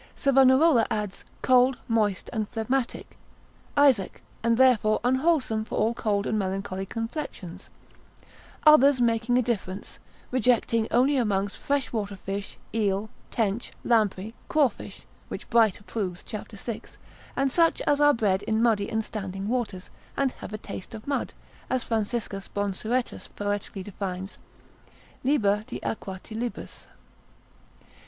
Savanarola adds, cold, moist: and phlegmatic, Isaac; and therefore unwholesome for all cold and melancholy complexions: others make a difference, rejecting only amongst freshwater fish, eel, tench, lamprey, crawfish (which Bright approves, cap. 6), and such as are bred in muddy and standing waters, and have a taste of mud, as Franciscus Bonsuetus poetically defines, Lib. de aquatilibus.